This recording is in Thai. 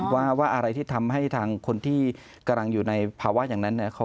ว่าอะไรที่ทำให้ทางคนที่กำลังอยู่ในภาวะอย่างนั้น